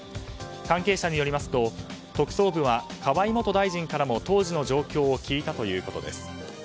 関係者によりますと特捜部は、河井元大臣からも当時の状況を聞いたということです。